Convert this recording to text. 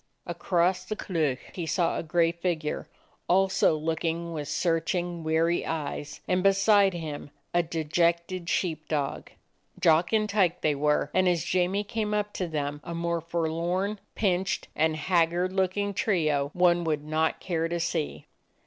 Across the Cleuch he saw a gray figure, also looking with searching weary eyes, and beside him a dejected sheep dog. Jock and Tyke they were, and as Jamie came up to them a more forlorn, pinched, and haggard looking trio one would not care to see.